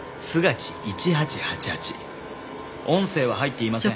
音声は入っていません。